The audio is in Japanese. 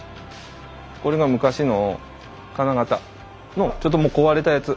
これが昔の金型のちょっともう壊れたやつ。